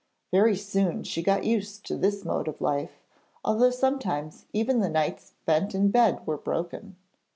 Very soon she got used to this mode of life, although sometimes even the nights spent in bed were broken.